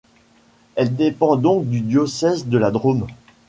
Elle dépend donc du diocèse de la Drôme.